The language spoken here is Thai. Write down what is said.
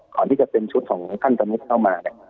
ก่อนที่จะเป็นชุดของท่านสมุทรเข้ามา